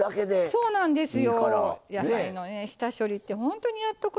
そうなんです。